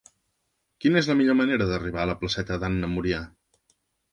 Quina és la millor manera d'arribar a la placeta d'Anna Murià?